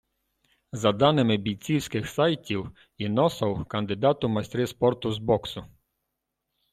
За даними бійцівський сайтів, Іносов - кандидат у майстри спорту з боксу.